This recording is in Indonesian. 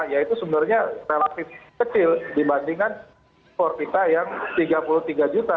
yaitu sebenarnya relatif kecil dibandingkan forpita yang rp tiga puluh tiga juta